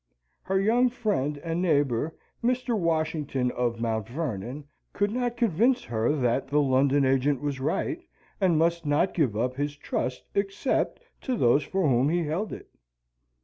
Her young friend and neighbour, Mr. Washington of Mount Vernon, could not convince her that the London agent was right, and must not give up his trust except to those for whom he held it.